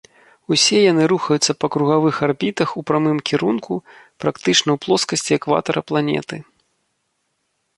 Усе яны рухаюцца па кругавых арбітах у прамым кірунку практычна ў плоскасці экватара планеты.